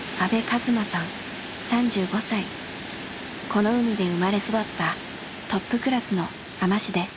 この海で生まれ育ったトップクラスの海士です。